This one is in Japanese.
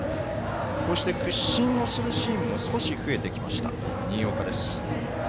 こうして屈伸をするシーンも少し増えてきました、新岡です。